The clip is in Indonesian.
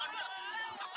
hajar kemana kamu